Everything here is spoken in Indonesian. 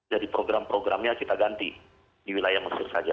jadi program programnya kita ganti di wilayah mesir saja